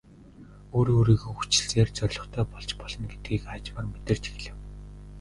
Өөрөө өөрийгөө хүчилснээр зорилготой болж болно гэдгийг аажмаар мэдэрч эхлэв.